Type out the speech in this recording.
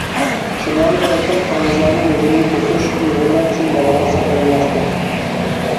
شىمال تەرەپتىن قىرغىزلارنىڭ ھۇجۇمىنى توسۇش ئۇيغۇرلار ئۈچۈن بارغانسېرى قىيىنلاشتى.